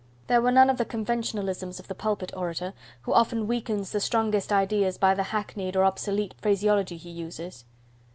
There were none of the conventionalisms of the pulpit orator, who often weakens the strongest ideas by the hackneyed or obsolete phraseology he uses.